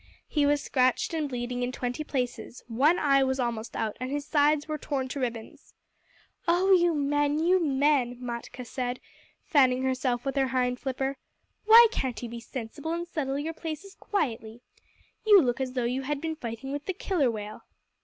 He was scratched and bleeding in twenty places; one eye was almost out, and his sides were torn to ribbons. "Oh, you men, you men!" Matkah said, fanning herself with her hind flipper. "Why can't you be sensible and settle your places quietly? You look as though you had been fighting with the Killer Whale."